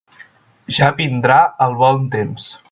Ja vindrà el bon temps.